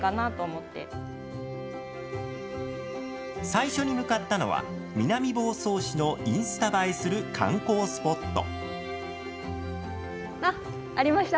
最初に向かったのは南房総市のインスタ映えする観光スポット。